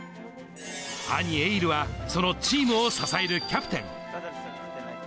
兄、瑛琉はそのチームを支えるキャプテン。